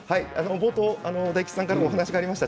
大吉さんからもお話がありました。